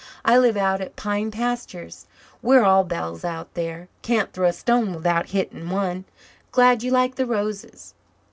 I live out at Pine Pastures. We're all Bells out there can't throw a stone without hitting one. Glad you like the roses."